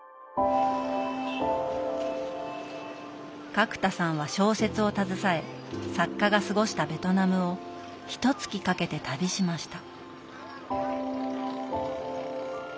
角田さんは小説を携え作家が過ごしたベトナムをひとつきかけて旅しました。